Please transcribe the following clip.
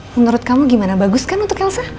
menurut kamu gimana bagus kan untuk elsa